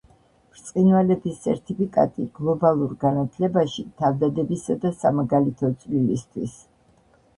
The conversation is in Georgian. ბრწყინვალების სერთიფიკატი გლობალურ განათლებაში თავდადებისა და სამაგალითო წვლილისთვის.